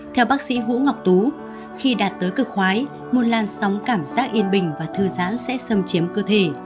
theo bác sĩ vũ ngọc tú khi đạt tới cực quái môn lan sóng cảm giác yên bình và thư giãn sẽ xâm chiếm cơ thể